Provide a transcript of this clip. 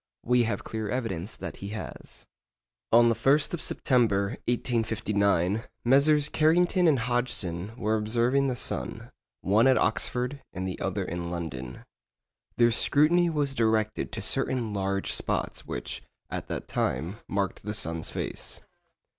We have clear evidence that he has. On the 1st of September, 1859, Messrs. Carrington and Hodgson were observing the sun, one at Oxford and the other in London. Their scrutiny was directed to certain large spots which, at that time, marked the sun's face.